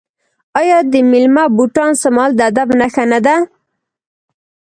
آیا د میلمه بوټان سمول د ادب نښه نه ده؟